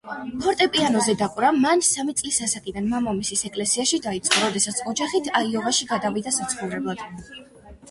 ფორტეპიანოზე დაკვრა მან სამი წლის ასაკიდან, მამამისის ეკლესიაში დაიწყო, როდესაც ოჯახით აიოვაში გადავიდა საცხოვრებლად.